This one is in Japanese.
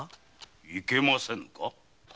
いけませんか？